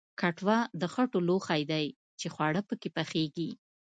کټوه د خټو لوښی دی چې خواړه پکې پخیږي